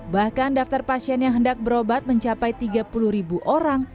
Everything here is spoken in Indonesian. bahkan daftar pasien yang hendak berobat mencapai tiga puluh ribu orang